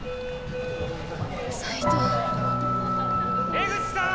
江口さん！